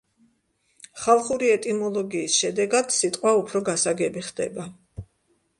ხალხური ეტიმოლოგიის შედეგად სიტყვა უფრო გასაგები ხდება.